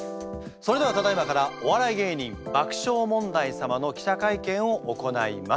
それではただいまからお笑い芸人爆笑問題様の記者会見を行います。